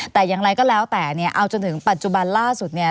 แต่อย่างไรก็แล้วแต่เนี่ยเอาจนถึงปัจจุบันล่าสุดเนี่ย